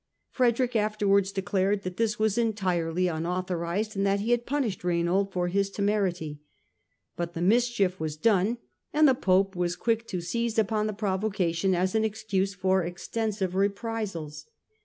Frederick afterwards declared that this was entirely unauthorised and that he had punished Raynald for his temerity. But the mischief was done and the Pope was quick to seize upon the provocation as an excuse for extensive reprisals.